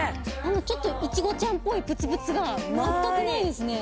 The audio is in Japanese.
ちょっとイチゴちゃんっぽいプツプツが全くないですね